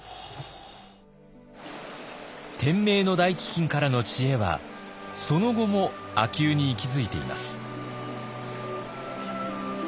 天明の大飢饉からの知恵はその後も秋保に息づいています。